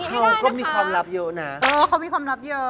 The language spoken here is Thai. เออเขามีความลับเยอะ